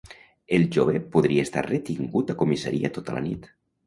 El jove podria estar retingut a comissaria tota la nit